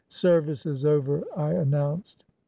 ' Service is over/ I an nounced.